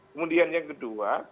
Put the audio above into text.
kemudian yang kedua